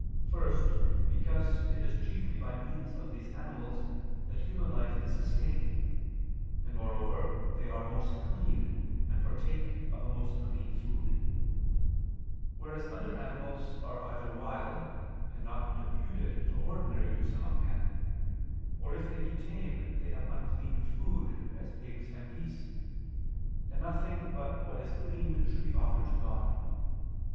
First, because it is chiefly by means of these animals that human life is sustained: and moreover they are most clean, and partake of a most clean food: whereas other animals are either wild, and not deputed to ordinary use among men: or, if they be tame, they have unclean food, as pigs and geese: and nothing but what is clean should be offered to God.